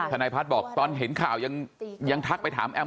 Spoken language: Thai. นายพัฒน์บอกตอนเห็นข่าวยังทักไปถามแอม